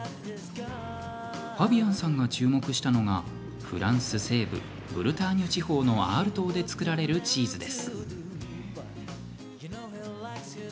ファビアンさんが注目したのがフランス西部ブルターニュ地方のアール島で造られるチーズです。